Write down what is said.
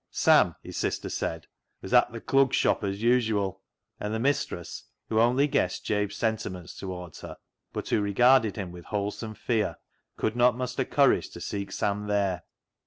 Sam, his sister said, was " at th' Clug Shop as yewzuall," and the mistress, who only guessed Jabe's sentiments towards her, but who regarded him with wholesome fear, could not muster courage to seek Sam there.